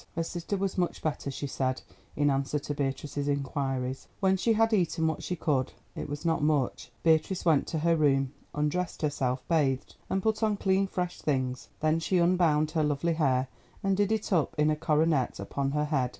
Her sister was much better, she said, in answer to Beatrice's inquiries. When she had eaten what she could—it was not much—Beatrice went to her room, undressed herself, bathed, and put on clean, fresh things. Then she unbound her lovely hair, and did it up in a coronet upon her head.